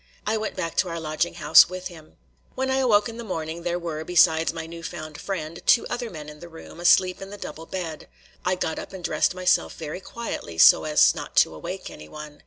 I went back to our lodging house with him. When I awoke in the morning, there were, besides my new found friend, two other men in the room, asleep in the double bed. I got up and dressed myself very quietly, so as not to awake anyone.